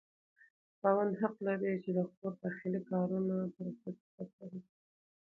خاوند حق لري چې د کور داخلي کارونه پر ښځه ترسره کړي.